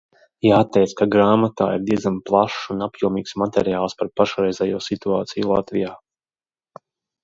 Jāteic, ka grāmatā ir diezgan plašs un apjomīgs materiāls par pašreizējo situāciju Latvijā.